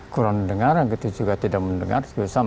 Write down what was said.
kurang mendengar tidak mendengar